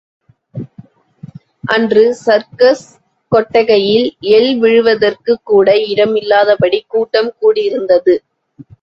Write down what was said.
அன்று சர்க்கஸ் கொட்டகையில் எள் விழுவதற்குக் கூட இடம் இல்லாதபடி கூட்டம் கூடியிருந்தது.